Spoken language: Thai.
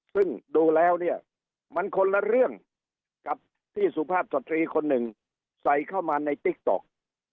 ซึ่งดูแล้วเนี่ยมันคนละเรื่องกับที่สุภาพสตรีคนหนึ่งใส่เข้ามาในติ๊กต๊อก